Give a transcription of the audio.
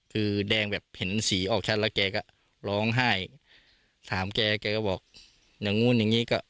คือแดงแบบเห็นสีออกชัดแล้วแกก็ร้องไห้ถามแกแกก็บอกอย่างนู้นอย่างงี้ก็